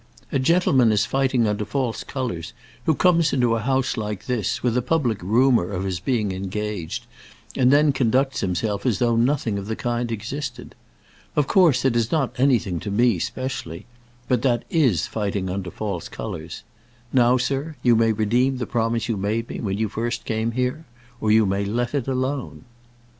A gentleman is fighting under false colours who comes into a house like this, with a public rumour of his being engaged, and then conducts himself as though nothing of the kind existed. Of course, it is not anything to me specially; but that is fighting under false colours. Now, sir, you may redeem the promise you made me when you first came here, or you may let it alone."